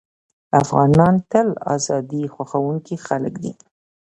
افغانان تل ازادي خوښوونکي خلک دي.